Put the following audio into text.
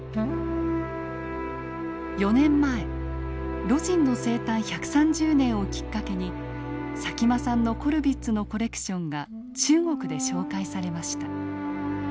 ４年前魯迅の生誕１３０年をきっかけに佐喜眞さんのコルヴィッツのコレクションが中国で紹介されました。